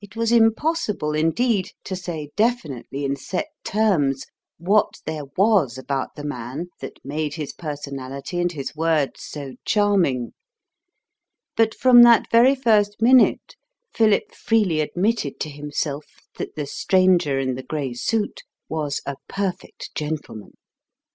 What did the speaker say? It was impossible, indeed, to say definitely in set terms what there was about the man that made his personality and his words so charming; but from that very first minute, Philip freely admitted to himself that the stranger in the grey suit was a perfect gentleman.